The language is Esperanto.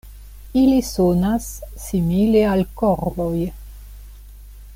Ili sonas simile al korvoj.